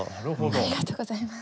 ありがとうございます。